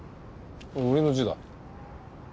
俺の字だ。